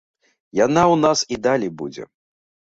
Яна ў нас і далей будзе.